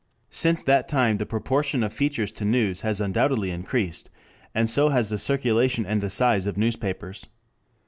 Since that time the proportion of features to news has undoubtedly increased, and so has the circulation and the size of newspapers.